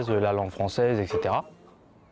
bahasa fransai dll